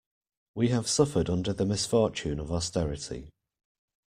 We have suffered under the misfortune of austerity.